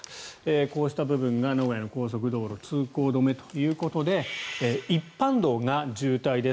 こうした部分が名古屋の高速道路通行止めということで一般道が渋滞です。